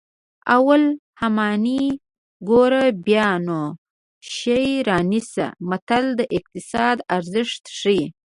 اول همیانۍ ګوره بیا نو شی رانیسه متل د اقتصاد ارزښت ښيي